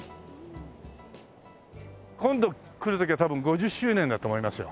今度来る時は多分５０周年だと思いますよ。